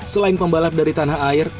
selain pembalap dari tanah air